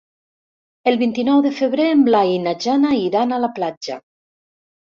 El vint-i-nou de febrer en Blai i na Jana iran a la platja.